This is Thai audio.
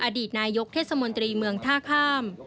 อดีตนายกเทศมนตรีเมืองท่าข้าม